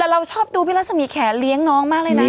แล้วเราชอบดูพี่ลักษณีย์แขนเลี้ยงน้องมากเลยนะ